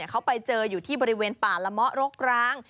เขาไปเจออยู่ที่บริเวณป่าละเมาะรกร้าง